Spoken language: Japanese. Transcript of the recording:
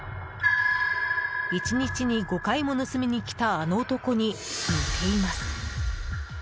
１日に５回も盗みに来たあの男に似ています。